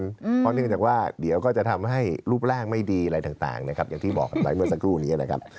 เพราะเนื่องจากว่าเดี๋ยวก็จะทำให้รูปร่างไม่ดีอะไรต่างนะครับอย่างที่บอกกันไปเมื่อสักครู่นี้นะครับ